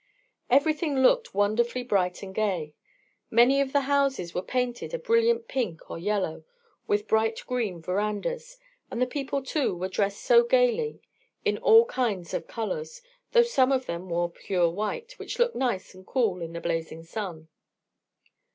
Everything looked wonderfully bright and gay. Many of the houses were painted a brilliant pink or yellow with bright green verandas; and the people, too, were dressed so gaily in all kinds of colours, though some of them wore pure white, which looked nice and cool in the blazing sun.